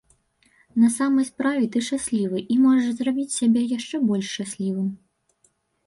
На самай справе ты шчаслівы і можаш зрабіць сябе яшчэ больш шчаслівым.